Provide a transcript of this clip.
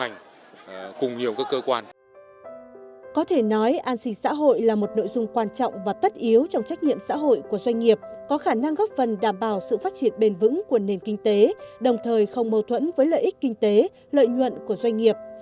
có thể nói an sinh xã hội là một nội dung quan trọng và tất yếu trong trách nhiệm xã hội của doanh nghiệp có khả năng góp phần đảm bảo sự phát triển bền vững của nền kinh tế đồng thời không mâu thuẫn với lợi ích kinh tế lợi nhuận của doanh nghiệp